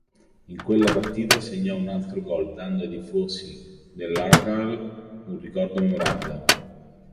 In quella partita segnò un altro gol dando ai tifosi dell'"Argyle" un ricordo memorabile.